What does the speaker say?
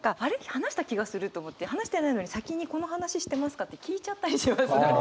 話した気がすると思って話してないのに先に「この話してますか？」って聞いちゃったりしますね。